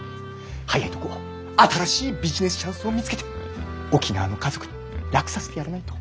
早いとこ新しいビジネスチャンスを見つけて沖縄の家族に楽させてやらないと。